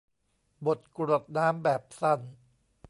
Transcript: บทกรวดน้ำแบบสั้น